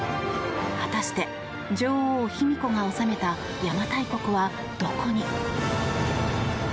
果たして、女王・卑弥呼が治めた邪馬台国はどこに。